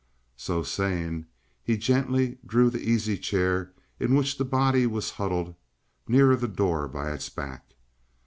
So saying, he gently drew the easy chair, in which the body was huddled, nearer the door by its back.